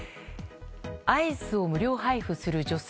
アイスを無料配布する女性。